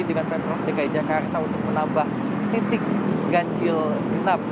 dengan pemprov dki jakarta untuk menambah titik ganjil genap